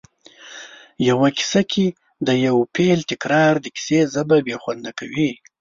په یوه کیسه کې د یو فعل تکرار د کیسې ژبه بې خونده کوي